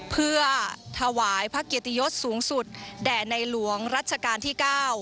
เพื่อถวายพระเกียรติยศสูงสุดแด่ในหลวงรัชกาลที่๙